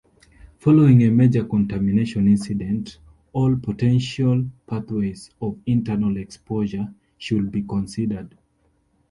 Following a major contamination incident, all potential pathways of internal exposure should be considered.